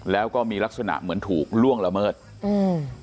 แล้วก็มีลักษณะเหมือนถูกล่วงละเมิดอืม